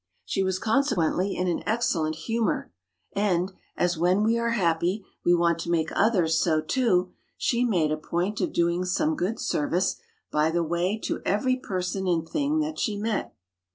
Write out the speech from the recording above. She was consequently in an excellent humor; and — as, when we are happy, we want to make others so, too — she made a point of doing some good service by the way to every person and thing that she met.